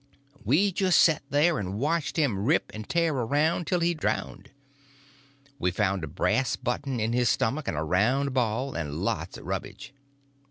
We just set there and watched him rip and tear around till he drownded. We found a brass button in his stomach and a round ball, and lots of rubbage.